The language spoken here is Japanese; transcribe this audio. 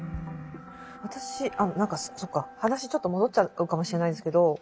私あの何かそっか話ちょっと戻っちゃうかもしれないですけど